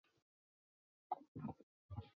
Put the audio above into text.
他的诗简短而精深。